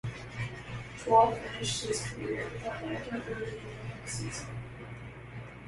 Schwall finished his career with Atlanta early in the next season.